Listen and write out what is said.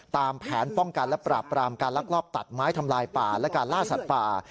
ตามแผนป้องกันและปราบปรามการลักลอบตัดไม้ทำลายป่าและการล่าสัตว์ป่า